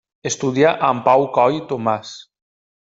Estudià amb Pau Coll Tomàs.